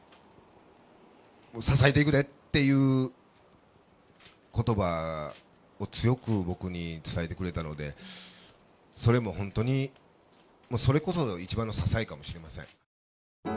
支えていくでっていうことばを強く僕に伝えてくれたので、それも本当に、それこそ一番の支えかもしれません。